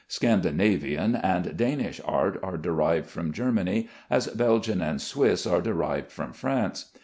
Scandinavian and Danish art are derived from Germany, as Belgian and Swiss are derived from France.